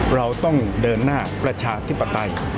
เราต้องเดินหน้าประชาธิปไตย